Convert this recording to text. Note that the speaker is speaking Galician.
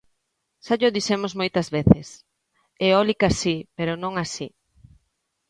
Xa llo dixemos moitas veces: eólica si, pero non así.